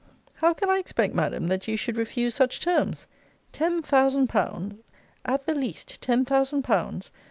How can I expect, Madam, that you should refuse such terms? Ten thousand pounds! At the least ten thousand pounds!